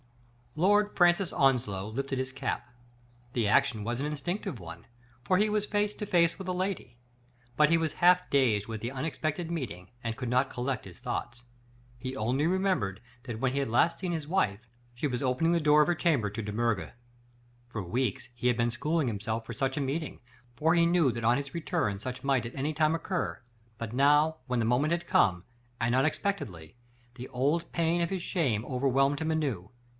Lord Francis Onslow lifted his cap. The action was an instinctive one, for he was face to face with a lady ; but he was half dazed with the unexpected meeting, and could not collect his thoughts. He only remembered that when he had last seen his wife she was opening the door of her chamber to De Miirger. For weeks he had been schooling himself for such a meeting, for he knew that on his return such might at any time occur ; but now, when the moment had come, and unexpectedly, the old pain of his shame over whelmed him anew.